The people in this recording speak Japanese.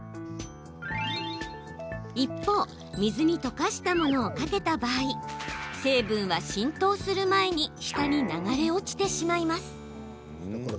一方、水に溶かしたものをかけた場合成分は浸透する前に下に流れ落ちてしまいます。